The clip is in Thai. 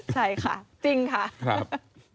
ใช่ค่ะจริงค่ะครับ